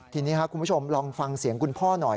ทีนี้ครับคุณผู้ชมลองฟังเสียงคุณพ่อหน่อย